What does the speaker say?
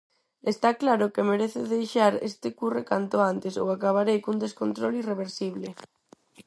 Está claro que merezo deixar este curre canto antes ou acabarei cun descontrol irreversible.